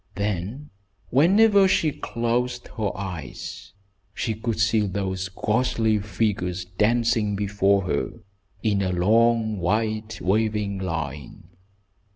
Then, whenever she closed her eyes, she could see those ghostly figures dancing before her in a long, white wavering line.